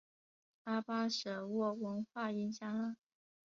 阿巴舍沃文化影响了。